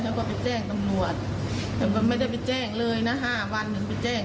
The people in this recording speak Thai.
แล้วก็ไปแจ้งตำรวจแล้วก็ไม่ได้ไปแจ้งเลยนะ๕วันหนึ่งไปแจ้ง